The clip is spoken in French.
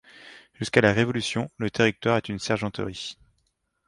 Jusqu'à la Révolution, le territoire est une sergenterie.